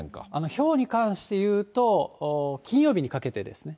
ひょうに関していうと、金曜日にかけてですね。